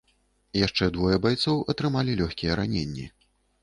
Яшчэ двое байцоў атрымалі лёгкія раненні.